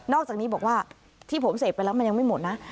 อกจากนี้บอกว่าที่ผมเสพไปแล้วมันยังไม่หมดนะ